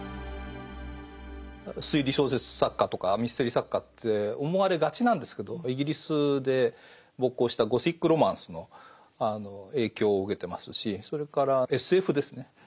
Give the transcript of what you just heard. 推理小説作家とかミステリー作家って思われがちなんですけどイギリスで勃興したゴシック・ロマンスの影響を受けてますしそれからＳＦですね